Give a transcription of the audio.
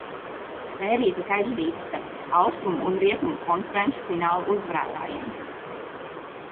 Sērija tiek aizvadīta starp Austrumu un Rietumu konferenču finālu uzvarētājiem.